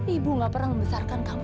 ibu gak pernah membesarkan kamu